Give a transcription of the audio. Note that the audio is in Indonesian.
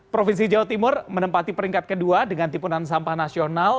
provinsi jawa timur menempati peringkat kedua dengan timunan sampah nasional